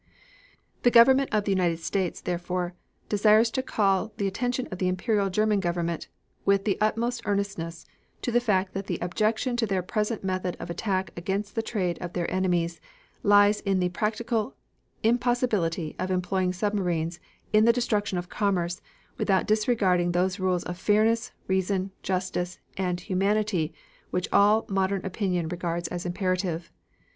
The Government of the United States, therefore, desires to call the attention of the Imperial German Government with the utmost earnestness to the fact that the objection to their present method of attack against the trade of their enemies lies in the practical impossibility of employing submarines in the destruction of commerce without disregarding those rules of fairness, reason, justice, and humanity which all modern opinion regards as imperative.